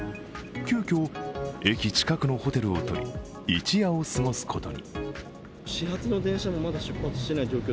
急きょ、駅近くのホテルをとり、一夜を過ごすことに。